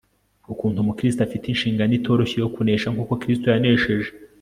ukuntu umukristo afite inshingano itoroshye yo kunesha nk'uko kristo yanesheje